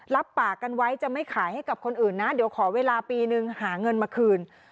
รับปากกันไว้จะไม่ขายให้กับคนอื่นนะเดี๋ยวขอเวลาปีนึงหาเงินมาคืน